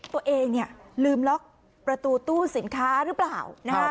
ตัวเองลืมล็อกประตูตู้สินค้าหรือเปล่า